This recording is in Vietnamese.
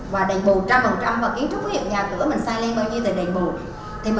và đền bù một trăm linh và kiến trúc hiệu nhà cửa mình sai lên bao nhiêu thì đền bù